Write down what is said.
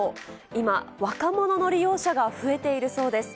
今、若者の利用者が増えているそうです。